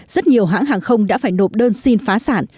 rất nhiều hãng hàng không đã phải nộp đơn xin phá sản